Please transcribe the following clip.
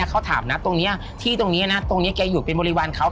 เขาถามนะตรงนี้ที่ตรงนี้นะตรงนี้แกอยู่เป็นบริวารเขา